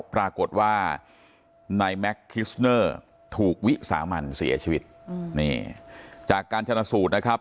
ปรากฏว่านายแม็กคิสเนอร์ถูกวิสามันเสียชีวิตนี่จากการชนะสูตรนะครับ